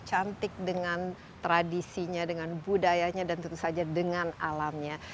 cantik dengan tradisinya dengan budayanya dan tentu saja dengan alamnya